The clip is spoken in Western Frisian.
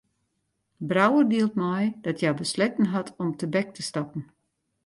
Brouwer dielt mei dat hja besletten hat om tebek te stappen.